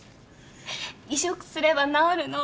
移植すれば治るの。